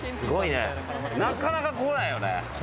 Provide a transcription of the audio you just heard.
なかなか来ないよね。